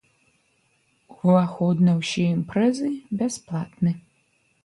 Уваход на ўсе імпрэзы бясплатны.